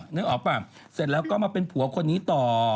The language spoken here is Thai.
นึกออกป่ะเสร็จแล้วก็มาเป็นผัวคนนี้ต่อ